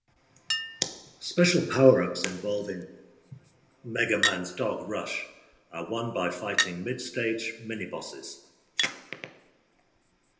Special power-ups involving Mega Man's dog Rush are won by fighting mid-stage minibosses.